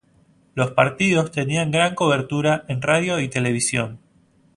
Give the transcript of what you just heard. Los partidos tenían gran cobertura en radio y televisión.